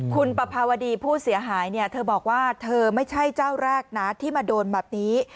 คุณปภาวดีผู้เสียหายเนี่ยเธอบอกว่าเธอไม่ใช่เจ้าแรกนะที่มาโดนแบบนี้